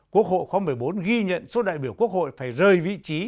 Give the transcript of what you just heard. quốc hội khóa một mươi bốn ghi nhận số đại biểu quốc hội phải rời vị trí